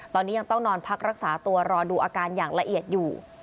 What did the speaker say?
ตอนนี้ยังต้องนอนพักรักษาตัวรอดูอาการอย่างละเอียดอยู่